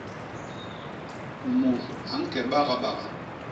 Mut a ñke bagabaga.